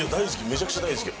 めちゃくちゃ大好き。